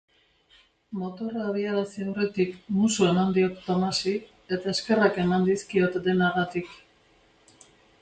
Motorra abiarazi aurretik musu eman diot Tomasi, eta eskerrak eman dizkiot denagatik.